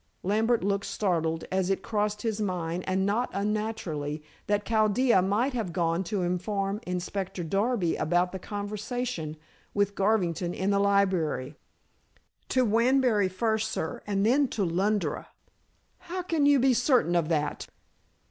Lambert looked startled as it crossed his mind, and not unnaturally, that Chaldea might have gone to inform Inspector Darby about the conversation with Garvington in the library. "To Wanbury first, sir, and then to Lundra." "How can you be certain of that?"